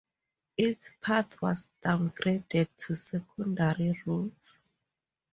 Its path was downgraded to secondary roads.